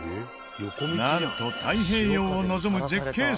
なんと太平洋を望む絶景